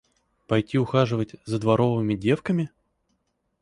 Пойти ухаживать за дворовыми девками?